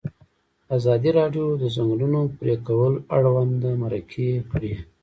ازادي راډیو د د ځنګلونو پرېکول اړوند مرکې کړي.